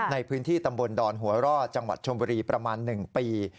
ในพื้นที่ตำบลดอนหัวร่อจังหวัดชมบุรีประมาณ๑ปี